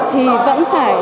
thì vẫn phải